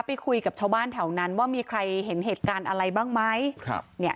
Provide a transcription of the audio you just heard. ไปคุยกับชาวบ้านแถวนั้นว่ามีใครเห็นเหตุการณ์อะไรบ้างไหมครับเนี่ย